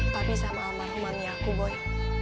tapi sama almarhumannya aku boy